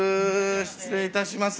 失礼いたします。